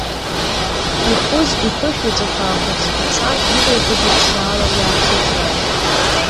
Ихәыз иԥышә иаҵәақәа аақәац-қәацан, иблақәагьы ԥшьаала иаацәыҵрааит.